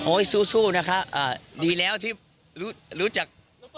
สู้นะคะดีแล้วที่รู้จัก